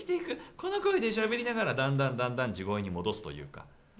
この声で、しゃべりながらだんだん、だんだん地声に戻すというか。